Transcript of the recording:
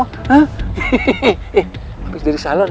habis dari salon ya